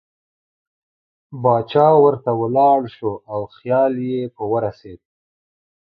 باچا ورته ولاړ شو او خیال یې په ورسېد.